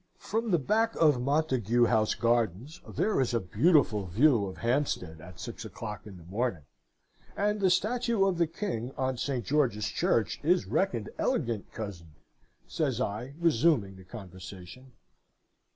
"'From the back of Montagu House Gardens there is a beautiful view of Hampstead at six o'clock in the morning; and the statue of the King on St. George's Church is reckoned elegant, cousin!' says I, resuming the conversation.